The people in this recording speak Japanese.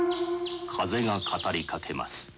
風が語りかけます。